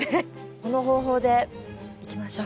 この方法でいきましょう。